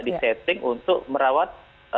disetting untuk merawat